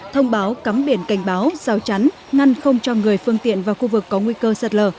thông báo cắm biển cảnh báo giao chắn ngăn không cho người phương tiện vào khu vực có nguy cơ sạt lở